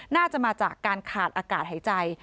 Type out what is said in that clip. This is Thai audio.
น่าจะมาจากการขาดอากาศหายใจ